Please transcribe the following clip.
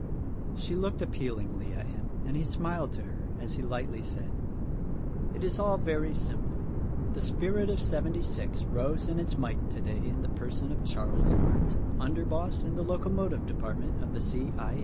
She looked appealingly at him and he smiled to her as he lightly said, "It is all very simple. The spirit of seventy six rose in its might today in the person of Charles Arndt, under boss in the locomotive department of the C. I.